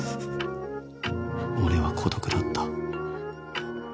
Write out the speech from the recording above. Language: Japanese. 俺は孤独だった。